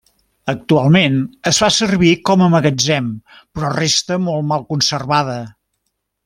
Actualment es fa servir com a magatzem però resta molt mal conservada.